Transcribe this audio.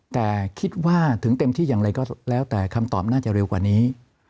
แต่คิดว่าถึงเต็มที่อย่างไรก็แล้วแต่คำตอบน่าจะเร็วกว่านี้